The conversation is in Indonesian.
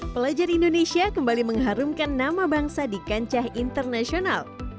pelajar indonesia kembali mengharumkan nama bangsa di kancah internasional